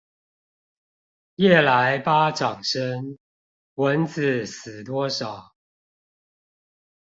夜來巴掌聲，蚊子死多少